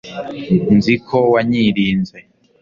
nzi ko wanyirinze